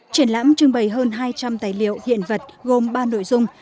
triển lãm trưng bày hơn hai trăm linh tài liệu hiện vật gồm ba nội dung